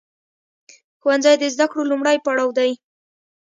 ښوونځی د زده کړو لومړی پړاو دی.